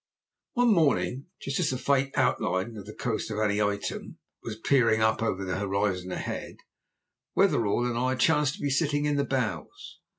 One morning, just as the faint outline of the coast of Aneityum was peering up over the horizon ahead, Wetherell and I chanced to be sitting in the bows.